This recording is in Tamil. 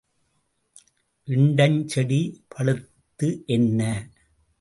இண்டஞ்செடி பழுத்து என்ன?